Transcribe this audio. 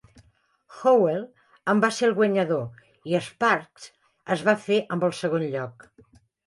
Howell en va ser el guanyador i Sparks es va fer amb el segon lloc.